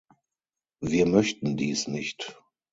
Wir möchten dies nicht.